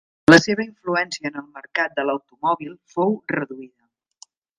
La seva influència en el mercat de l'automòbil fou reduïda.